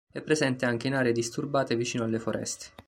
È presente anche in aree disturbate vicino alle foreste.